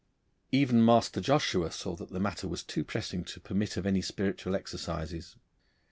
Even Master Joshua saw that the matter was too pressing to permit of any spiritual exercises.